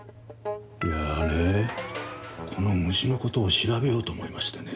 いやねこの虫のことを調べようと思いましてね